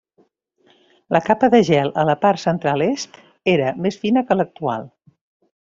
La capa de gel a la part central est era més fina que l'actual.